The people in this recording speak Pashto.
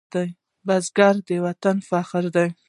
بزګر د وطن فخر دی